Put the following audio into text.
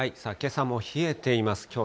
けさも冷えています。